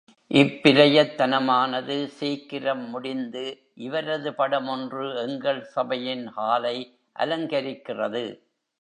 இப்பிரயத்தனமானது சீக்கிரம் முடிந்து, இவரது படம் ஒன்று எங்கள் சபையின் ஹாலை அலங்கரிக்கிறது.